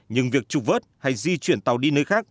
nhưng việc trục vớt hay di chuyển tàu đi nơi khác